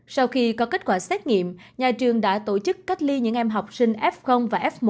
sau khi có kết quả xét nghiệm nhà trường đã tổ chức cách ly những em học sinh f và f một